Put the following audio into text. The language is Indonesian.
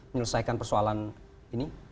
menyelesaikan persoalan ini